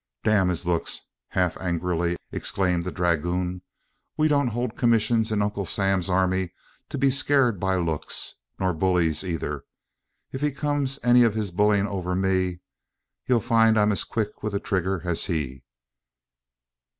"Damn his looks!" half angrily exclaimed the dragoon. "We don't hold commissions in Uncle Sam's army to be scared by looks, nor bullies either. If he comes any of his bullying over me, he'll find I'm as quick with a trigger as he."